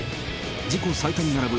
自己最多に並ぶ